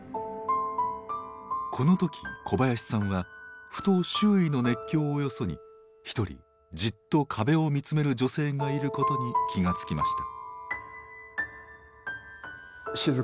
この時小林さんはふと周囲の熱狂をよそに一人じっと壁を見つめる女性がいることに気が付きました。